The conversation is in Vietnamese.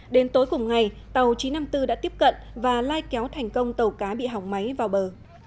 đến tối cùng ngày tàu chín trăm năm mươi bốn đã tiếp cận và lai kéo thành công tàu cá bị hỏng máy vào bờ